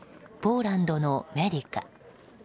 ポーランドのメディカ。